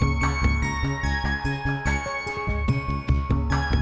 aku ingin lihat apa diem kamu